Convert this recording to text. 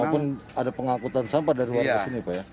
walaupun ada pengangkutan sampah dari warga sini pak ya